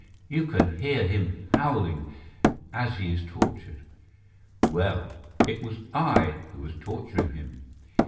You can hear him howling as he is tortured. Well, it was I who was torturing him.